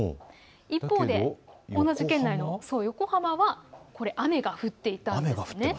一方で同じ県内の横浜は雨が降っていたんですね。